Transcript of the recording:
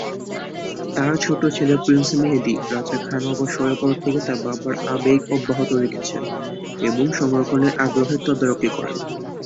তাঁর ছোট ছেলে প্রিন্স মেহেদী রাজা খান অবসরের পর থেকে তার বাবার আবেগ অব্যাহত রেখেছেন এবং সংরক্ষণের আগ্রহের তদারকি করেন।